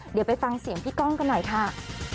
เดี๋ยวไปฟังเสียงพี่ก้องกันหน่อยค่ะ